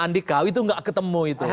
andi kau itu gak ketemu itu